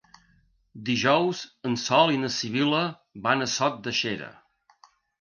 Dijous en Sol i na Sibil·la van a Sot de Xera.